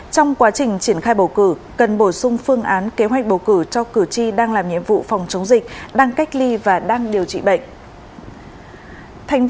trong quá trình triển khai bầu cử cần bổ sung phương án kế hoạch bầu cử cho cử tri đang làm nhiệm vụ phòng chống dịch đang cách ly và đang điều trị bệnh